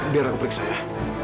biar aku periksa ya